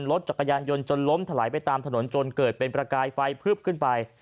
รถจักรยานยนต์จนล้มถลายไปตามถนนจนเกิดเป็นประกายไฟพึบขึ้นไป